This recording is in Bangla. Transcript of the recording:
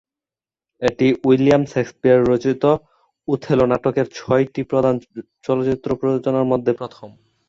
এটি উইলিয়াম শেকসপিয়র রচিত "ওথেলো" নাটকের ছয়টি প্রধান চলচ্চিত্র প্রযোজনার মধ্যে প্রথম।